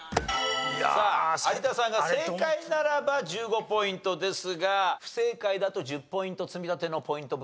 さあ有田さんが正解ならば１５ポイントですが不正解だと１０ポイント